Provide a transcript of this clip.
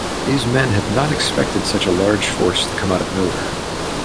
These men had not expected such a large force to come out of nowhere.